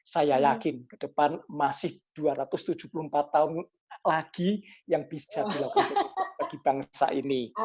saya yakin ke depan masih dua ratus tujuh puluh empat tahun lagi yang bisa dilakukan bagi bangsa ini